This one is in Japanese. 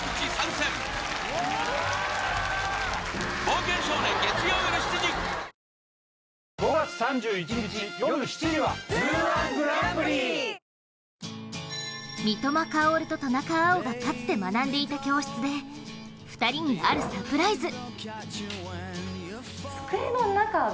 当時の夢は三笘薫と田中碧がかつて学んでいた教室で２人に、あるサプライズ。